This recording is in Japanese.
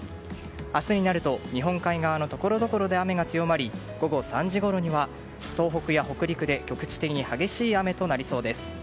明日になると日本海側のところどころで雨が強まり午後３時ごろには東北や北陸で局地的に激しい雨となりそうです。